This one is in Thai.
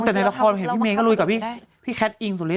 แต่ในละครเห็นพี่เมย์ก็ลุยกับพี่แคทอิงสุริ